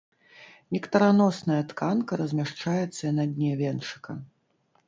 Нектараносная тканка размяшчаецца на дне венчыка.